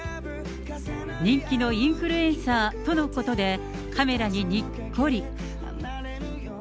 人気のインフルエンサーとのことで、カメラににっこり。